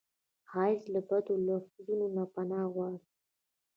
ښایست له بدو لفظونو نه پناه غواړي